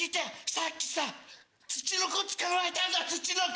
さっきさツチノコ捕まえたんだツチノコ。